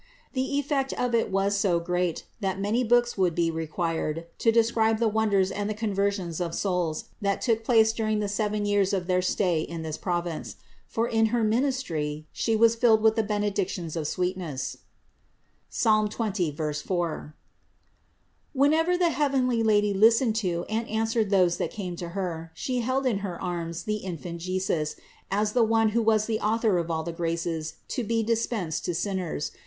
The effect of it was so great that many books would be required to describe the wonders and the con 570 CITY OF GOD versions of souls that took place during the seven years of their stay in this province; for in her ministry She was filled with the benedictions of sweetness (Ps. 20, 4). Whenever the heavenly Lady listened to and answered those that came to Her, She held in her arms the Infant Jesus, as the One who was the Author of all the graces to be dispensed to sinners.